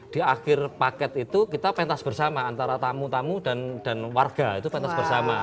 di akhir paket itu kita pentas bersama antara tamu tamu dan warga itu pentas bersama